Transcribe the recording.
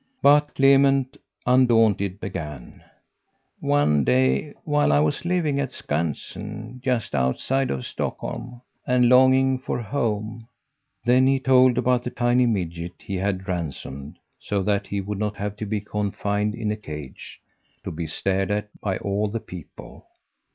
But Clement, undaunted, began: "One day, while I was living at Skansen, just outside of Stockholm, and longing for home " Then he told about the tiny midget he had ransomed so that he would not have to be confined in a cage, to be stared at by all the people.